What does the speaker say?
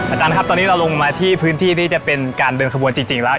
อาจารย์ครับตอนนี้เราลงมาที่พื้นที่ที่จะเป็นการเดินขบวนจริงแล้ว